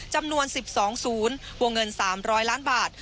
จำนวนสิบสองศูนย์วงเงินสามร้อยล้านบาท